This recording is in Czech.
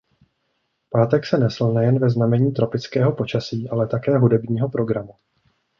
Pátek se nesl nejen ve znamení tropického počasí ale také hudebního programu.